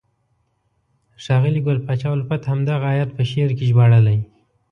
ښاغلي ګل پاچا الفت همدغه آیت په شعر کې ژباړلی: